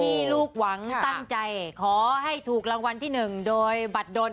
ลูกหวังตั้งใจขอให้ถูกรางวัลที่๑โดยบัตรดน